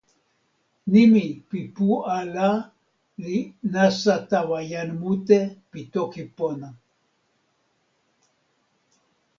nimi pi pu ala li nasa tawa jan mute pi toki pona.